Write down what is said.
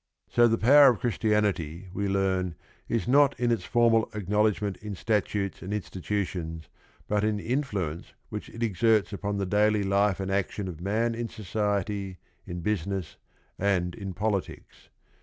So the power of Christianity, we learn, is not in its formal acknowledgment in statutes and institutions, but in the influence which it exerts upon the daily life and action of man in society, in business, and in politics.